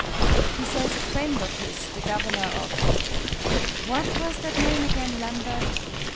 "He says a friend of his, the Governor of what was that name again, Lambert?"